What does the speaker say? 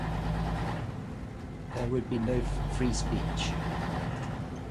There would be no free speech.